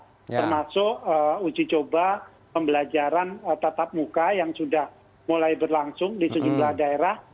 termasuk uji coba pembelajaran tatap muka yang sudah mulai berlangsung di sejumlah daerah